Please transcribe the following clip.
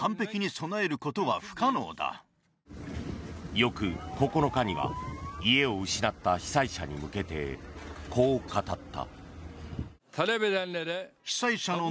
翌９日には家を失った被災者に向けてこう語った。